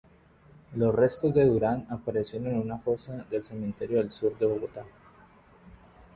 Los restos de Durán aparecieron en una fosa del cementerio del Sur de Bogotá.